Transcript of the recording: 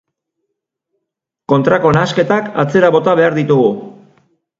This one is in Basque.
Kontrako nahasketak atzera bota behar ditugu.